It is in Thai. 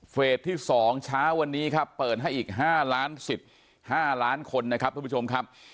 เฟสที่สองเช้าวันนี้ครับเปิดให้อีกห้าล้านสิบห้าล้านคนนะครับทุกผู้ชมครับ